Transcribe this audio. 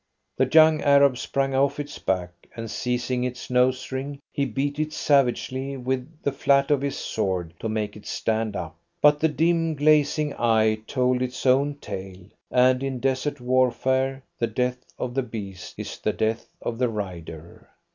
The young Arab sprang off its back, and, seizing its nose ring, he beat it savagely with the flat of his sword to make it stand up. But the dim, glazing eye told its own tale, and in desert warfare the death of the beast is the death of the rider.